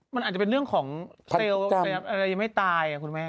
มันอาจจะเป็นเรื่องของเซลล์อะไรยังไม่ตายคุณแม่